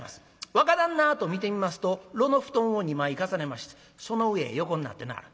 「若旦那！」と見てみますと絽の布団を２枚重ねましてその上へ横になってなはる。